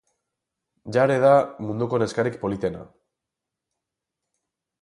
Jare da munduko neskarik politena.